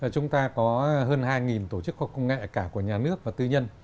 chúng ta có hơn hai tổ chức khoa học công nghệ cả của nhà nước và tư nhân